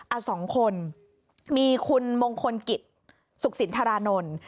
เอาสองคนมีคุณมงคลกิจสุขสินทรานนท์